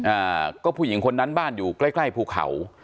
อ่าก็ผู้หญิงคนนั้นบ้านอยู่ใกล้ใกล้ภูเขา